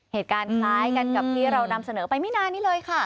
เหตุการณ์คล้ายกันกับที่เรานำเสนอไปไม่นานนี้เลยค่ะ